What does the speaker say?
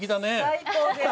最高ですね。